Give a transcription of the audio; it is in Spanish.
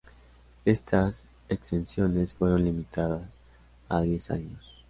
Estas exenciones fueron limitadas a diez años.